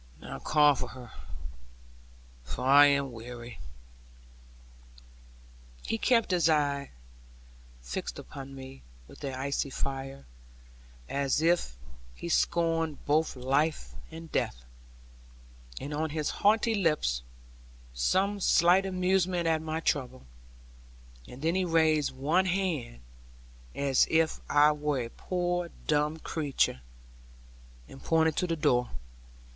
Now call her, for I am weary.' He kept his great eyes fixed upon me with their icy fire (as if he scorned both life and death), and on his haughty lips some slight amusement at my trouble; and then he raised one hand (as if I were a poor dumb creature), and pointed to the door.